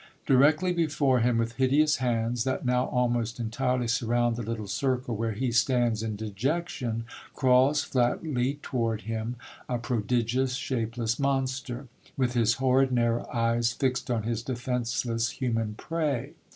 Directly before him, with hideous hands, that now almost entirely surround the little circle where he stands in dejection, crawls flatly toward him a prodigious, shapeless monster, with his horrid narrow eyes fixed on his defenceless human prey.